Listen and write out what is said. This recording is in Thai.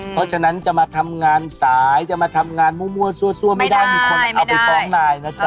เพราะฉะนั้นจะมาทำงานสายจะมาทำงานมั่วซั่วไม่ได้มีคนเอาไปฟ้องนายนะจ๊